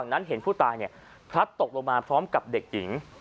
แต่ระหว่างนั้นเห็นผู้ตายเนี่ยพลัดตกลงมาพร้อมกับเด็กหญิง